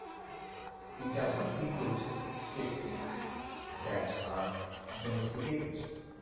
It does not include species that are domesticated.